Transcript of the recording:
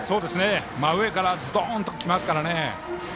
真上からズドンときますからね。